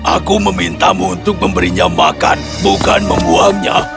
aku memintamu untuk memberinya makan bukan membuangnya